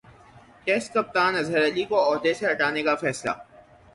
test کپتان اظہرعلی کو عہدہ سےہٹانےکا فیصلہ